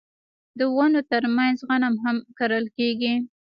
د ونو ترمنځ غنم هم کرل کیږي.